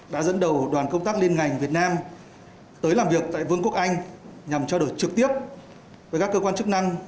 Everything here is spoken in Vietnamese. đã dẫn đầu đoàn công tác liên ngành việt nam tới làm việc tại vương quốc anh nhằm trao đổi trực tiếp với các cơ quan chức năng